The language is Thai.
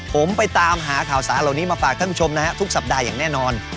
ผมไปตามหาข่าวสารเหล่านี้มาฝากท่านผู้ชมนะฮะทุกสัปดาห์อย่างแน่นอน